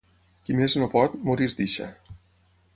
Qui més no pot, morir es deixa.